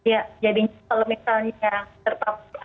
ya jadinya kalau misalnya yang terpapar